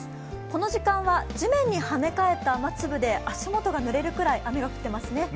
この時間は地面に跳ね返った雨粒で足元がぬれるくらいですね。